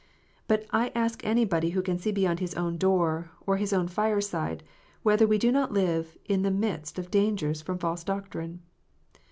But I ask anybody who can see beyond his own door, or his own fireside, whether we do not live in the midst of dangers from false doctrine